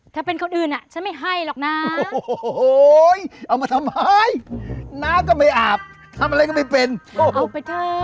ไม่เป็นก็ไม่เป็นโอ้โฮเอาไปเถอะ